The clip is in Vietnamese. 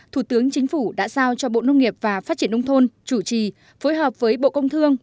thủ tướng chính phủ đã giao cho bộ nông nghiệp và phát triển nông thôn chủ trì phối hợp với bộ công thương